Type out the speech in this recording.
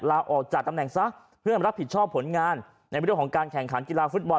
ลาออกจากตำแหน่งซะเพื่อรับผิดชอบผลงานในเรื่องของการแข่งขันกีฬาฟุตบอล